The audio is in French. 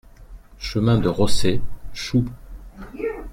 Chemin de Rosset, Choux